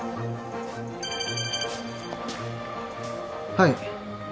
はい。